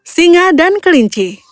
singa dan kelinci